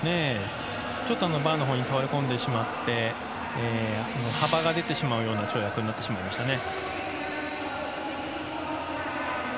ちょっとバーのほうに倒れこんでしまって幅が出てしまうような跳躍になってしまいましたね。